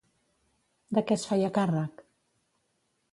De què es feia càrrec?